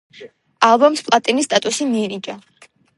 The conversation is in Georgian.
ალბომს პლატინის სტატუსი მიენიჭა.